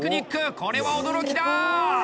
これは驚きだ！